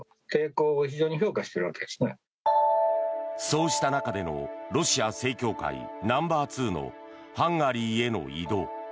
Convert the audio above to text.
そうした中でのロシア正教会ナンバーツーのハンガリーへの異動。